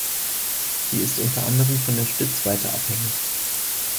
Sie ist unter anderem von der Stützweite abhängig.